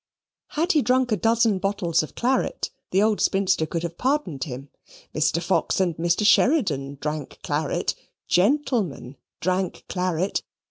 Had he drunk a dozen bottles of claret, the old spinster could have pardoned him. Mr. Fox and Mr. Sheridan drank claret. Gentlemen drank claret.